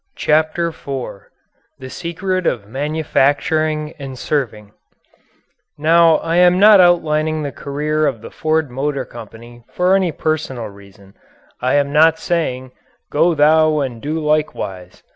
CHAPTER IV THE SECRET OF MANUFACTURING AND SERVING Now I am not outlining the career of the Ford Motor Company for any personal reason. I am not saying: "Go thou and do likewise."